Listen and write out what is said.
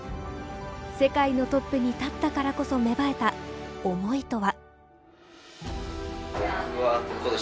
世界のトップに立ったからこそ芽生えた思いとは？